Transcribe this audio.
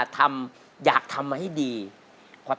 ส่งที่คืน